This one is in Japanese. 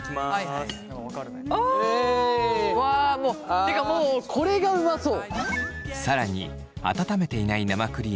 てかもうこれがうまそう。